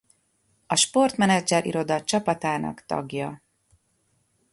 A sportmenedzser-iroda csapatának tagja.